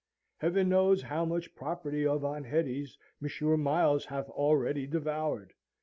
Heaven knows how much property of Aunt Hetty's Monsieur Miles hath already devoured!